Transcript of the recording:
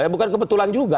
eh bukan kebetulan juga